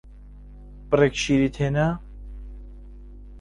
بڕێک شیرت هێنا؟